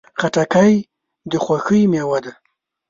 خټکی د خوښۍ میوه ده.